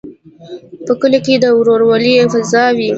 په کلیو کې د ورورولۍ فضا وي.